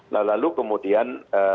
nah lalu kemudian